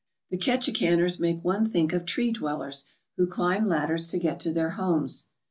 The Ketchikaners make one think of tree dfwellers, who climb ladders to get to their homes.